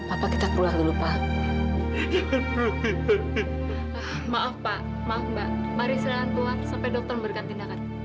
apa kita keluar lupa maaf maaf mbak mari silahkan keluar sampai dokter berikan tindakan